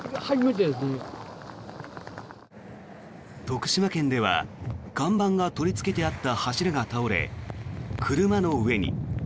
徳島県では看板が取りつけてあった柱が倒れ車の上に。